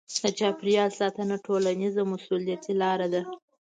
د چاپیریال ساتنه ټولنیزه مسوولیتي لاره ده.